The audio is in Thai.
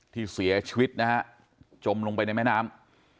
ที่เสียชีวิตนะฮะจมลงไปในแม่น้ำ